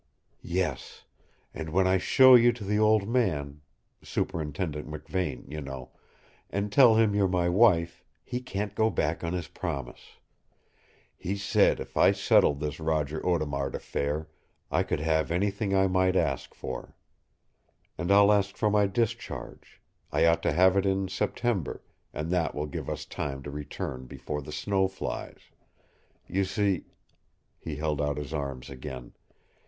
"Yes; and when I show you to the old man Superintendent Me Vane, you know and tell him you're my wife, he can't go back on his promise. He said if I settled this Roger Audemard affair, I could have anything I might ask for. And I'll ask for my discharge, I ought to have it in September, and that will give us time to return before the snow flies. You see " He held out his arms again.